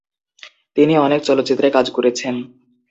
তিনি অনেক চলচ্চিত্রে কাজ করেছেন।